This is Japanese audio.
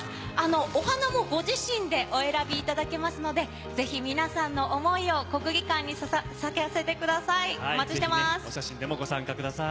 お花もご自身でお選びいただけますので、ぜひ皆さんの想いを国技館に咲かせてください。